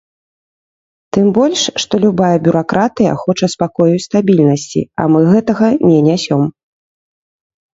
Тым больш, што любая бюракратыя хоча спакою і стабільнасці, а мы гэтага не нясём.